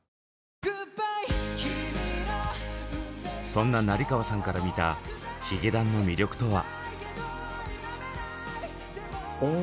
そんな成河さんから見たヒゲダンの魅力とは。